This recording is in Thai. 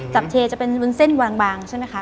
จับเทจะเป็นวุ้นเส้นบางใช่ไหมคะ